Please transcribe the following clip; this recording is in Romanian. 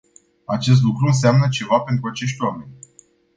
Acest lucru înseamnă ceva pentru acești oameni.